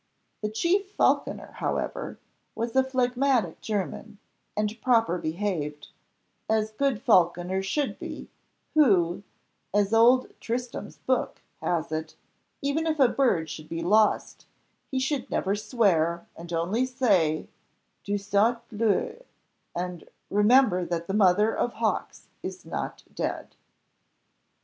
The chief falconer, however, was a phlegmatic German, and proper behaved, as good falconers should be, who, as "Old Tristram's booke" has it, even if a bird should be lost, he should never swear, and only say, "Dieu soit loué," and "remember that the mother of hawks is not dead."